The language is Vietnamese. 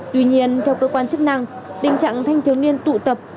tuy nhiên theo cơ quan chức năng tình trạng thanh thiếu niên tụ tập